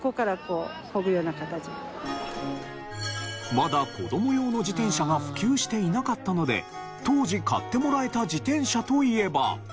まだ子供用の自転車が普及していなかったので当時買ってもらえた自転車といえば。